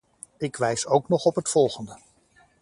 Ik wijs ook nog op het volgende.